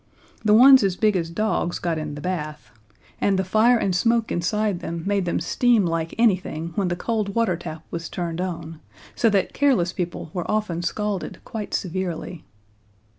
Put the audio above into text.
The ones as big as dogs got in the bath, and the fire and smoke inside them made them steam like anything when the cold water tap was turned on, so that careless people were often scalded quite severely.